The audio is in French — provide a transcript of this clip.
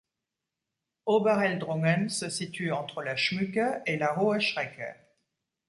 Oberheldrungen se situe entre la Schmücke et la Hohe Schrecke.